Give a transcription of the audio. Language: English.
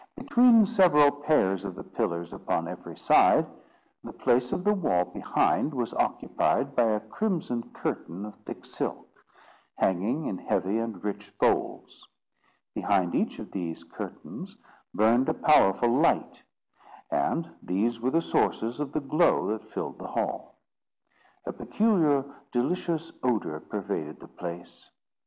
Between several pairs of the pillars upon every side, the place of the wall behind was occupied by a crimson curtain of thick silk, hanging in heavy and rich folds. Behind each of these curtains burned a powerful light, and these were the sources of the glow that filled the hall. A peculiar delicious odour pervaded the place.